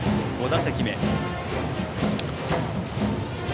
５打席目。